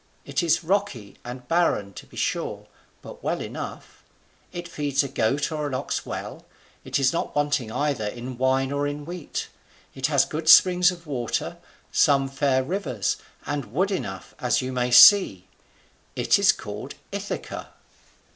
It is rocky and barren, to be sure; but well enough: it feeds a goat or an ox well; it is not wanting either in wine or in wheat; it has good springs of water, some fair rivers; and wood enough, as you may see: it is called Ithaca."